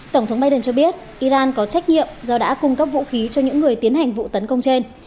tổng thống biden cho biết iran có trách nhiệm do đã cung cấp vũ khí cho những người tiến hành vụ tấn công trên